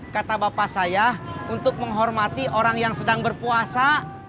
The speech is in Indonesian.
kata bapak saya untuk menghormati orang yang sedang berpuasa